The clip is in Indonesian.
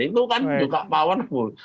itu kan juga powerful